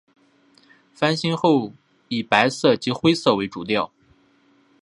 翻新后以白色及灰色为主调。